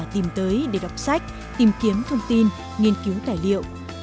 tìm tới để đọc sách tìm kiếm thông tin nghiên cứu tài liệu